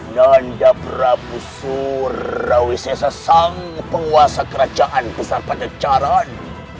nanda prabu surawi seja sang penguasa kerajaan besar pancacaran